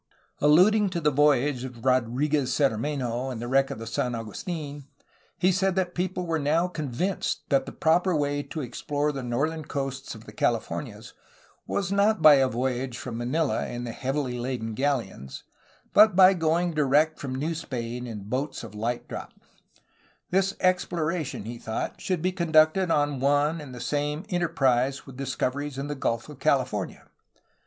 Alluding to the voyage of Rodriguez Cermenho and the wreck of the San Agustin, he said that people were now convinced that the proper way to explore the northern coasts of the Californias was not by a voyage from Manila in the heavily laden galleons, but by going direct from New Spain in boats of Ught draught. This exploration, he thought, should be conducted on one and the same enter prise with discoveries in the Gulf of California.